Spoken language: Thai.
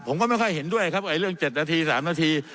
ผมก็ไม่ค่อยเห็นด้วยครับเรื่อง๗นาที๓นาที